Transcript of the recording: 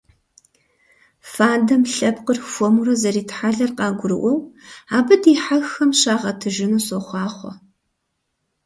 Фадэм лъэпкъыр хуэмурэ зэритхьэлэр къагурыӀуэу абы дихьэххэм щагъэтыжыну сохъуахъуэ!